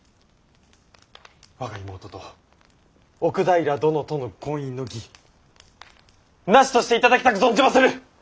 我が妹と奥平殿との婚姻の儀なしとしていただきたく存じまする！